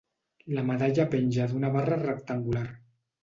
La medalla penja d'una barra rectangular.